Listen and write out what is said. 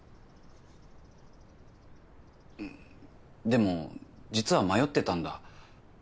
でも実は迷ってたんだ。